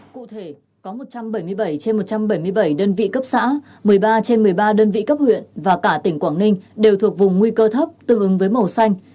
cụ thể có một trăm bảy mươi bảy trên một trăm bảy mươi bảy đơn vị cấp xã một mươi ba trên một mươi ba đơn vị cấp huyện và cả tỉnh quảng ninh đều thuộc vùng nguy cơ thấp tương ứng với màu xanh